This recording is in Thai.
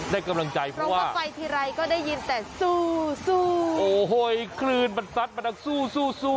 เพราะว่าไปทีไรก็ได้ยินแต่ซู่ซู่